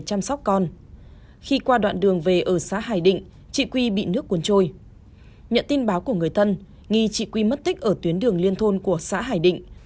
trong tin báo của người thân nghi trị quy mất tích ở tuyến đường liên thôn của xã hải định